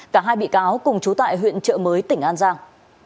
cả hai bị cáo cùng chú tại huyện trợ mới tỉnh an giang